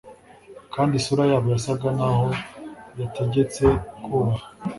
kandi isura yabo yasaga naho yategetse kubaha